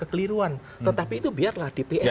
kekeliruan tetapi itu biarlah dpr